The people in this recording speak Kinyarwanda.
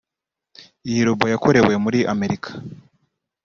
Iyi Robo yakorewe muri Amerika